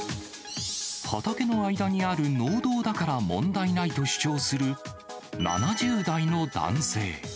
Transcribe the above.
畑の間にある農道だから問題ないと主張する７０代の男性。